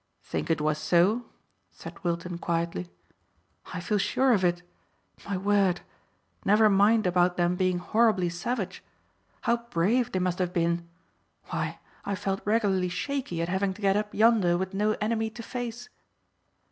"Think it was so?" said Wilton quietly. "I feel sure of it. My word! Never mind about them being horribly savage how brave they must have been! Why, I felt regularly shaky at having to get up yonder with no enemy to face."